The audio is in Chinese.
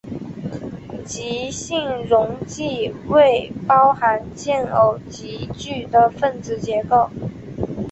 极性溶剂为包含键偶极矩的分子结构。